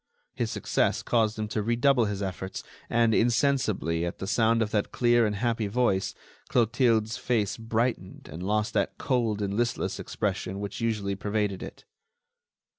His success caused him to redouble his efforts and, insensibly, at the sound of that clear and happy voice, Clotilde's face brightened and lost that cold and listless expression which usually pervaded it.